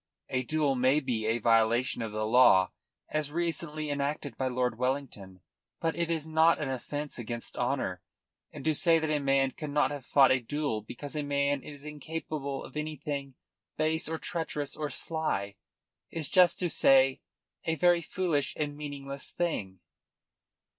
A duel may be a violation of the law as recently enacted by Lord Wellington, but it is not an offence against honour; and to say that a man cannot have fought a duel because a man is incapable of anything base or treacherous or sly is just to say a very foolish and meaningless thing."